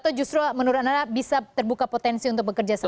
atau justru menurut anda bisa terbuka potensi untuk bekerja sama